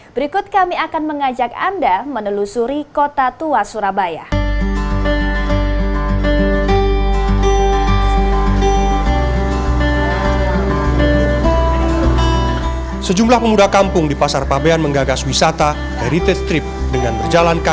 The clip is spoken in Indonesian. berikut kami akan mengajak anda menelusuri kota tua surabaya